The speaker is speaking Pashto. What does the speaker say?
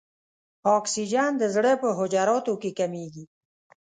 اکسیجن د زړه په حجراتو کې کمیږي.